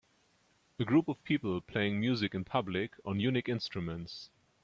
A group of people playing music in public on unique instruments